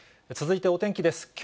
続いてお天気です。